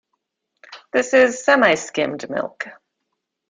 This is semi-skimmed milk.